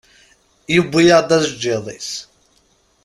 Yewwi-yaɣ-d ajeǧǧiḍ-is.